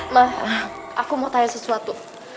mah aku mau tanya sesuatu